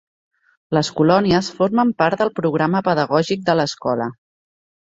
Les colònies formen part del programa pedagògic de l'escola.